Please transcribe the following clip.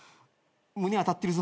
胸当たってるぞ。